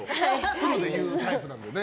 フルで言うタイプなんだね。